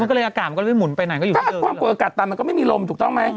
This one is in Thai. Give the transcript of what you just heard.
มันก็เลยอากาศมันก็เลยหมุนไปไหนก็อยู่ทั้งเกินความกลอดอากาศต่ำมันก็ไม่มีลมถูกต้องไหม